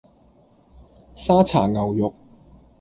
沙茶牛肉